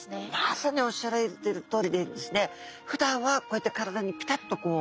まさにおっしゃられてるとおりですねふだんはこうやって体にピタッと。